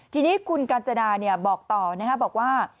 ทีนี้คุณกาญจดาบอกต่อบอกว่า